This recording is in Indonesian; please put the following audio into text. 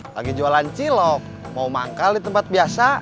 lagi jualan cilok mau manggal di tempat biasa